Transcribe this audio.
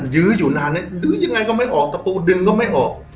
ยื้ออยู่นานเนี่ยดื้อยังไงก็ไม่ออกตะปูดึงก็ไม่ออก